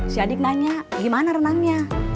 si adik nanya gimana renangnya